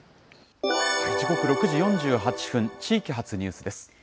時刻６時４８分、地域発ニュースです。